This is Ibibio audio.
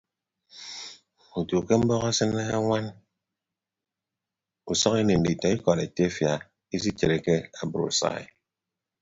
Utu ke mbọk esịne añwan usʌk ini nditọ ikọd etefia isitreke abrusai.